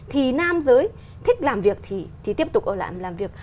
thì nam giới thích làm việc thì tiếp tục ở lại làm việc